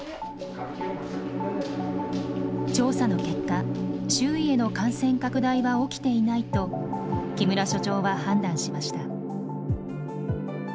調査の結果周囲への感染拡大は起きていないと木村所長は判断しました。